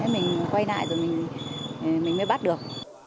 mình quay lại rồi mình mới bắt được